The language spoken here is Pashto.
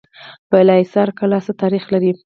بالاحصار کلا څه تاریخ لري؟